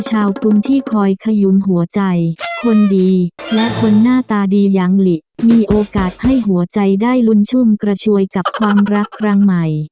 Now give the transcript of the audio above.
กรุงที่คอยขยุนหัวใจคนดีและคนหน้าตาดีอย่างหลิมีโอกาสให้หัวใจได้ลุนชุ่มกระชวยกับความรักครั้งใหม่